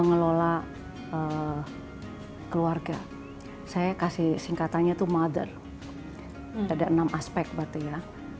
saya adalah keluarga saya kasih singkatannya tuh mother ada enam aspek berarti ya